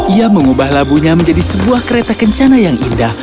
ia mengubah labunya menjadi sebuah kereta kencana yang indah